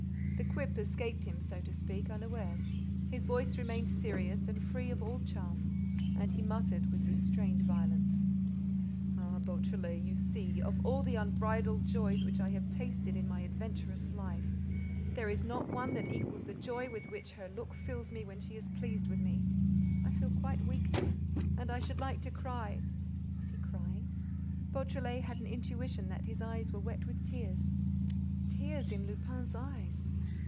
The quip escaped him, so to speak, unawares. His voice remained serious and free of all chaff. And he muttered, with restrained violence: "Ah, Beautrelet, you see, of all the unbridled joys which I have tasted in my adventurous life, there is not one that equals the joy with which her look fills me when she is pleased with me. I feel quite weak then, and I should like to cry—" Was he crying? Beautrelet had an intuition that his eyes were wet with tears. Tears in Lupin's eyes!